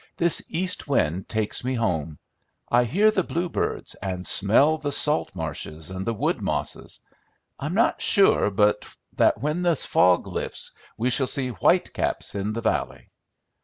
"This east wind takes me home. I hear the bluebirds, and smell the salt marshes and the wood mosses. I'm not sure but that when the fog lifts we shall see white caps in the valley."